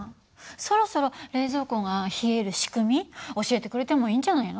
そろそろ冷蔵庫が冷える仕組み教えてくれてもいいんじゃないの？